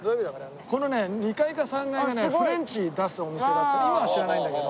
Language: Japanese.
このね２階か３階にねフレンチ出すお店があって今は知らないんだけど。